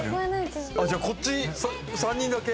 じゃあこっち３人だけ？